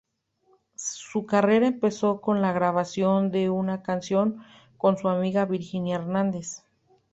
Su carrera empezó con la grabación de una canción con su amiga Virginia Hernández.